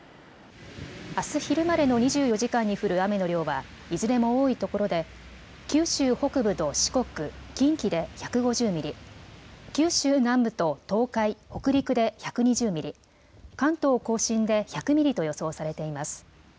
あす昼までの２４時間に降る雨の量はいずれも多いところで九州北部と四国、近畿で１５０ミリ、九州南部と東海、北陸で１２０ミリ、関東甲信で１００ミリと予想されています。